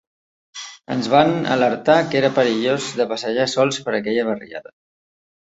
Ens van alertar que era perillós de passejar sols per aquella barriada.